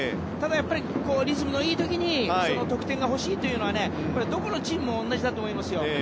ただ、リズムのいい時に得点が欲しいというのはどこのチームも同じだと思いますよ。